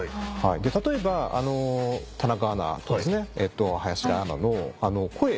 例えば田中アナと林田アナの声をですね